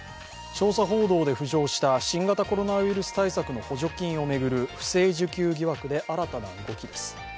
調査報道で浮上した新型コロナウイルス対策の補助金を巡る不正受給疑惑で新たな動きです。